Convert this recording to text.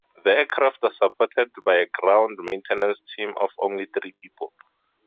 The aircraft are supported by a ground maintenance team of only three people.